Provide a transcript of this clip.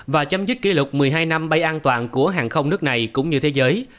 và chấm dứt kỷ lục một mươi hai năm bay an toàn của hàng không nước này cũng như thế giới